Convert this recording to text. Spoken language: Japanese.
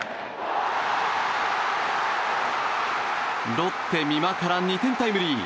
ロッテ、美馬から２点タイムリー。